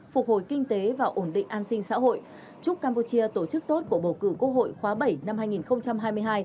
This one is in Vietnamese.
phục hồi kinh tế và ổn định an sinh xã hội chúc campuchia tổ chức tốt của bầu cử quốc hội khóa bảy năm hai nghìn hai mươi hai